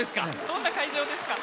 どんな会場ですか。